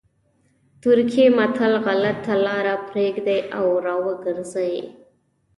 ترکي متل وایي غلطه لاره پرېږدئ او را وګرځئ.